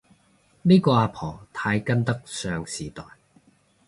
呢個阿婆太跟得上時代